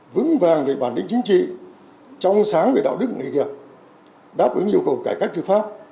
vững vàng về bản lĩnh chính trị trong sáng về đạo đức nghề nghiệp đáp ứng yêu cầu cải cách tư pháp